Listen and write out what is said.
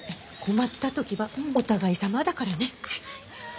困った時はお互いさまだからね。